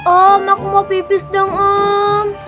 om aku mau pipis dong om